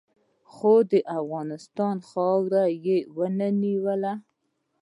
خو د افغانستان خاوره یې و نه نیوله.